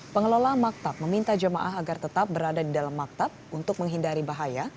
pengelola maktab meminta jemaah agar tetap berada di dalam maktab untuk menghindari bahaya